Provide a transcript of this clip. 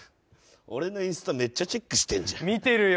俺のインスタめっちゃチェックしてんじゃん見てるよ